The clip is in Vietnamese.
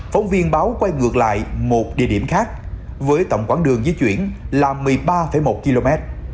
phóng viên báo quay ngược lại một địa điểm khác với tổng quãng đường di chuyển là một mươi ba một km